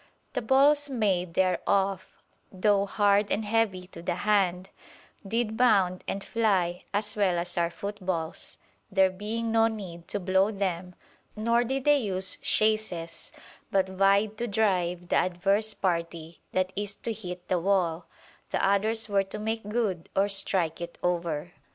The balls made thereof, though hard and heavy to the hand, did bound and fly as well as our footballs, there being no need to blow them; nor did they use chaces, but vy'd to drive the adverse party that is to hit the wall, the others were to make good, or strike it over.